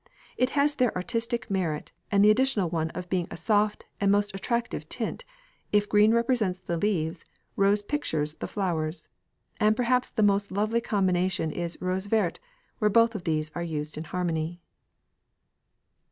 It has their artistic merit, and the additional one of being a soft and most attractive tint, if green represents the leaves, rose pictures the flowers; and perhaps the most lovely combination is "rose verte," where both of these are used in harmony.